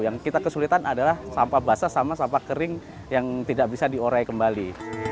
yang kita kesulitan adalah sampah basah sama sampah kering yang tidak bisa diurai kembali